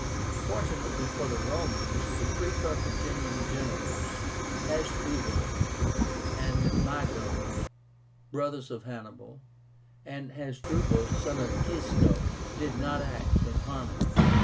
Fortunately for the Romans, the three Carthaginian generals, HASDRUBAL and MAGO, brothers of Hannibal, and HASDRUBAL, son of Gisco, did not act in harmony.